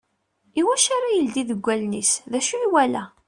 I wacu ara ileddi deg wallen-is? D ucu i yewala?